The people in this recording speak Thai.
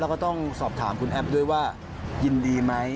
แล้วก็ต้องสอบถามคุณแอฟด้วยว่ายินดีไหม